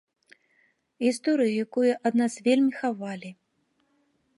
Гісторыя, якую ад нас вельмі хавалі.